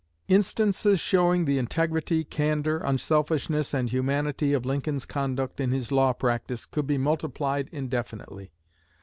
'" Instances showing the integrity, candor, unselfishness, and humanity of Lincoln's conduct in his law practice could be multiplied indefinitely.